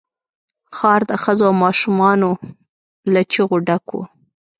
ښار د ښځو او ماشومان له چيغو ډک وو.